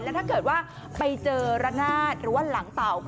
ถ้าเกิดว่าไปเจอระนาดหรือว่าหลังเต่า